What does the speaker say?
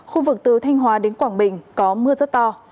khu vực từ thanh hóa đến quảng bình có mưa rất to